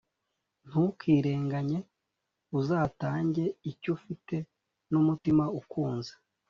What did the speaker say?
Ntukirenganye uzatange icyufite numutima ukunze